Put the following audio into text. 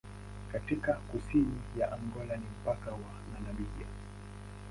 Katika kusini ya Angola ni mpaka na Namibia.